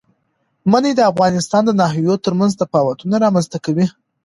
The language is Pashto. منی د افغانستان د ناحیو ترمنځ تفاوتونه رامنځ ته کوي.